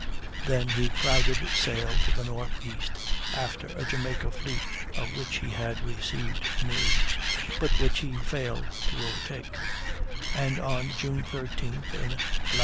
Then he crowded sail to the northeast after a Jamaica fleet of which he had received news, but which he failed to overtake, and on June 13th, in lat.